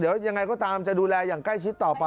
อย่างไรก็ตามจะดูแลยังใกล้ชิดต่อไป